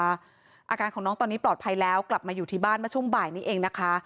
อาการของน้องตอนนี้ปลอดภัยแล้วกลับมาอยู่ที่บ้านเมื่อช่วงบ่ายนี้เองนะคะ